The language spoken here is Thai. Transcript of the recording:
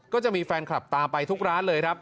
ก็จะมีแฟนคลับตามไปทุกร้านเลยครับ